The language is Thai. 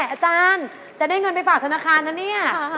อาจารย์จะได้เงินไปฝากธนาคารนะเนี่ย